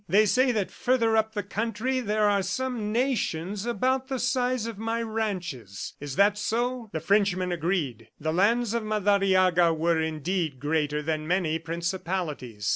They say that further up the country, there are some nations about the size of my ranches. Is that so?" ... The Frenchman agreed. ... The lands of Madariaga were indeed greater than many principalities.